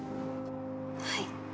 はい。